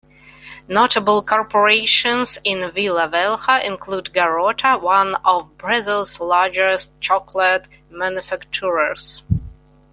Notable corporations in Vila Velha include Garoto, one of Brazil's largest chocolate manufacturers.